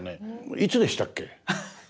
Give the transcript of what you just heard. いつでしたっけ？